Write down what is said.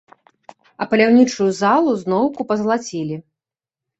А паляўнічую залу зноўку пазалацілі.